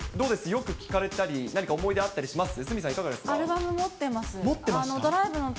よく聴かれたり、何か思い出あったりします？